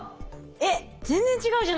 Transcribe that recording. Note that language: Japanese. えっ全然違うじゃないですか。